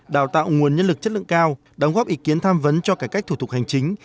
đào tạo nguồn nhân lực chất lượng cao đóng góp ý kiến tham vấn cho cải cách thủ tục hành chính